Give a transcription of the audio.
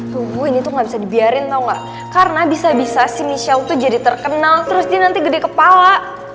tuh ini tuh gak bisa dibiarin tau gak karena bisa bisa michelle jadi terkenal terus dia nanti gede kepala